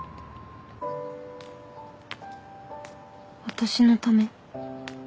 私のため？